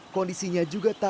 kondisinya juga terbatas